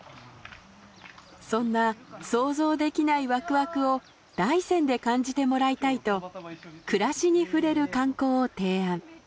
そんな想像できないワクワクを大山で感じてもらいたいと暮らしに触れる観光を提案。